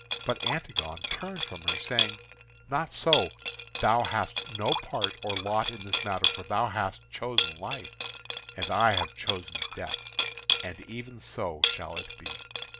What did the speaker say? But Antigone turned from her, saying: "Not so; thou hast no part or lot in the matter. For thou hast chosen life, and I have chosen death; and even so shall it be."